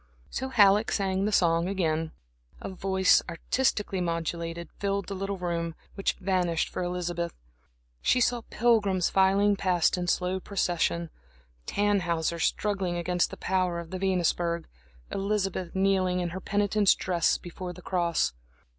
So Halleck sang the song again. A voice, artistically modulated, filled the little room, which vanished for Elizabeth. She saw pilgrims filing past in slow procession, Tannhäuser struggling against the power of the Venusberg, Elizabeth kneeling in her penitent's dress before the cross.